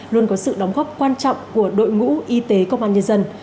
luôn có sự đóng góp quan trọng của đội ngũ y tế công an nhân dân